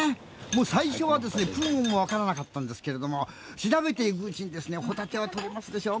最初は食うものも分からなかったんですけども調べていくうちにホタテは採れますでしょう